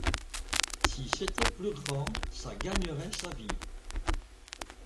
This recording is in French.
Si c'était plus grand, ça gagnerait sa vie.